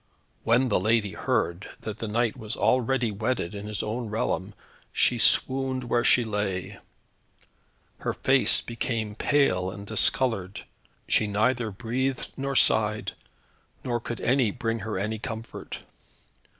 When the lady heard that her knight was already wedded in his own realm, she swooned where she lay. Her face became pale and discoloured; she neither breathed nor sighed, nor could any bring her any comfort.